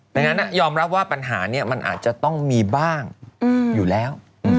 ดังนั้นยอมรับว่าปัญหานี้มันอาจจะต้องมีบ้างอยู่แล้ว